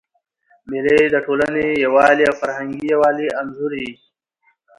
مېلې د ټولنیز یووالي او فرهنګي یووالي انځور يي.